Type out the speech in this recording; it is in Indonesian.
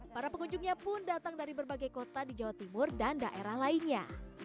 para pengunjungnya pun datang dari berbagai kota di jawa timur dan daerah lainnya